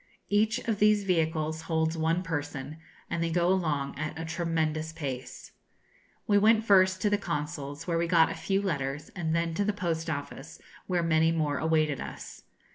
Each of these vehicles holds one person, and they go along at a tremendous pace. We went first to the Consul's, where we got a few letters, and then to the Post Office, where many more awaited us.